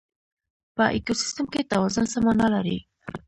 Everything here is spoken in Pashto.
په ایکوسیستم کې توازن څه مانا لري؟